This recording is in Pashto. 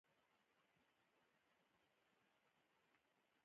د قیصر اپریدي ژوند لیک ځانګړی دی.